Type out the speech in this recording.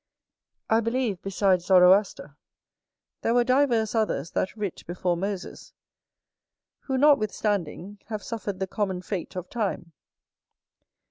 I believe, besides Zoroaster, there were divers others that writ before Moses; who, notwithstanding, have suffered the common fate of time.